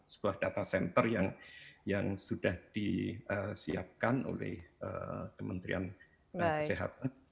sebuah data center yang sudah disiapkan oleh kementerian kesehatan